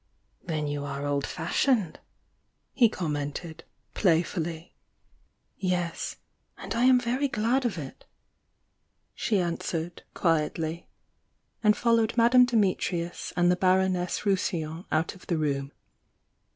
"Then you are old fashioned!" he commented, playfully. "Yes. And I am very glad of it!" she answered, quietly, and followed Madame Dimitrius and the Baroness Rousillon out of the room.